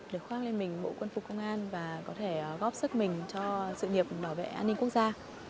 được khoác lên mình bộ quân phục công an và có thể góp sức mình cho sự nghiệp bảo vệ an ninh quốc gia